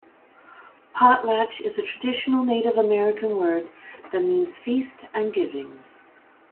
Potlatch is a traditional Native American word that means "feast" and "giving.